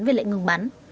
về lệnh ngừng bắn